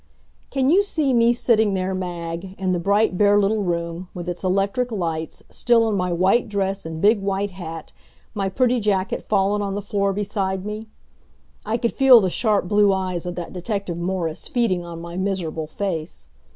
Can you see me sitting there, Mag, in the bright, bare little room, with its electric lights, still in my white dress and big white hat, my pretty jacket fallen on the floor beside me? I could feel the sharp blue eyes of that detective Morris feeding on my miserable face.